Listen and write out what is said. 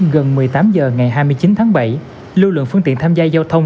gần một mươi tám h ngày hai mươi chín tháng bảy lưu lượng phương tiện tham gia giao thông